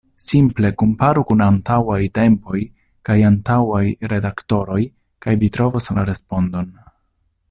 Simple komparu kun antauaj tempoj kaj antauaj redaktoroj kaj vi trovos la respondon.